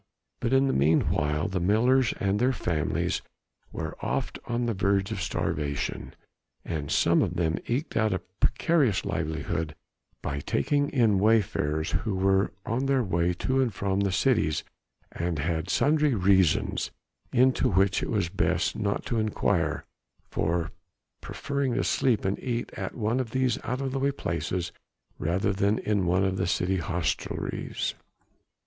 But in the meanwhile the millers and their families were oft on the verge of starvation, and some of them eked out a precarious livelihood by taking in wayfarers who were on their way to and from the cities and had sundry reasons into which it was best not to inquire for preferring to sleep and eat at one of these out of the way places rather than in one of the city hostelries.